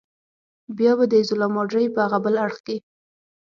بیا به د ایزولا ماډرې په هاغه بل اړخ کې.